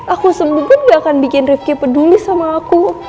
aku sembuh pun gak akan bikin rifki peduli sama aku